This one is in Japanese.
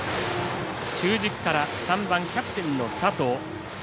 中軸から３番のキャプテンの佐藤。